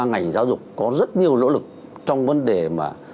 ngày giáo dục có rất nhiều nỗ lực trong vấn đề mà